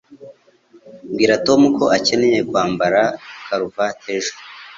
Bwira Tom ko akeneye kwambara karuvati ejo.